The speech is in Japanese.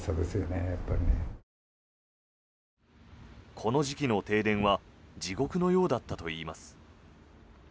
この時期の停電は地獄のようだったといいます。